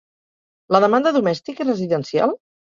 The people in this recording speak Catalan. La demanda domèstica i residencial?